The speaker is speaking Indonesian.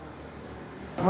memang jorongan hati sih pak